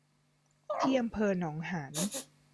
ที่อำเภอหนองหาน